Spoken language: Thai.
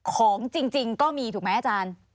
ของจริงก็มีถูกไหมอาจารย์